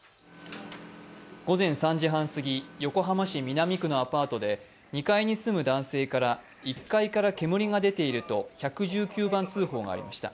午前３時半すぎ横浜市南区のアパートで２階に住む男性から１階から煙が出ていると１１９番通報がありました。